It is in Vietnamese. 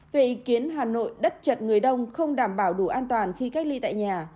về ý kiến hà nội đất chật người đông không đảm bảo đủ an toàn khi cách ly tại nhà